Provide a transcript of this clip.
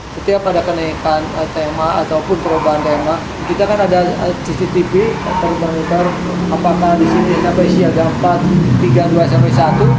setiap ada kenaikan tema ataupun perubahan tema kita kan ada cctv atau monitor apakah di sini sampai siaga empat tiga dua sampai satu